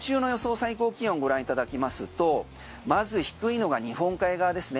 最高気温ご覧いただきますとまず低いのが日本海側ですね。